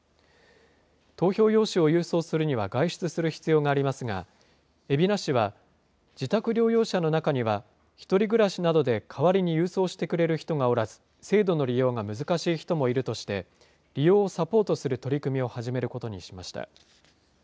投票用紙を郵送するには外出する必要がありますが、海老名市は、自宅療養者の中には、１人暮らしなどで代わりに郵送してくれる人がおらず、制度の利用が難しい人もいるとして、利用をサポートする取り組みを始めることにしました。